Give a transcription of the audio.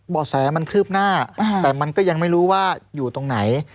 บ่อแสมันคืบหน้าแต่มันก็ยังไม่รู้ว่าอยู่ตรงไหน